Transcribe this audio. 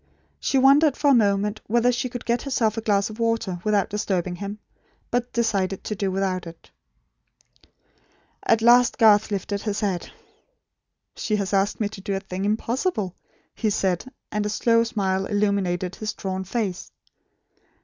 She wondered for a moment whether she could get herself a glass of water, without disturbing him; but decided to do without it. At last Garth lifted his head. "She has asked me to do a thing impossible," he said; and a slow smile illumined his drawn face.